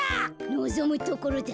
のぞむところだ。